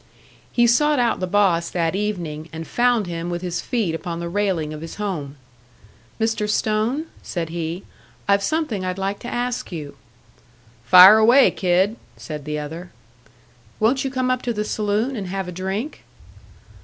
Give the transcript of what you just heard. He sought out the boss that evening, and found him with his feet upon the railing of his home. "Mr. Stone," said he, "I've something I'd like to ask you." "Fire away, kid," said the other. "Won't you come up to the saloon and have a drink?"